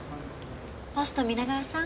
ホスト皆川さん。